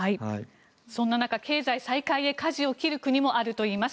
そんな中、経済再開へかじを切る国もあるといいます。